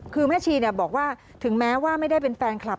คือแม่ชีบอกว่าถึงแม้ว่าไม่ได้เป็นแฟนคลับ